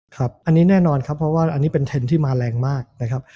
ครับอันนี้แน่นอนครับเพราะว่าอันนี้เป็นเทรนด์ที่มาแรงมากนะครับ